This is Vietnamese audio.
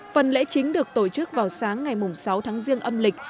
phần lễ chính được tổ chức vào sáng ngày sáu tháng riêng âm lịch